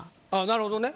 なるほどね。